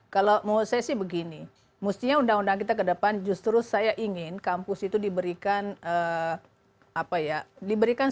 kalau mau saya sih begini mestinya undang undang kita ke depan justru saya ingin kampus itu diberikan apa ya diberikan